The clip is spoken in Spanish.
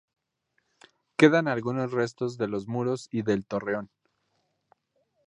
Quedan algunos restos de los muros y del torreón.